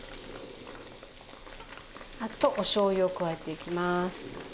あとお醤油を加えていきます。